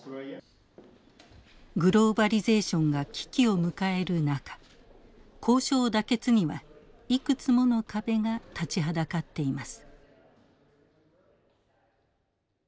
グローバリゼーションが危機を迎える中交渉妥結にはいくつもの壁が立ちはだかっています。